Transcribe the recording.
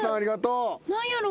何やろ？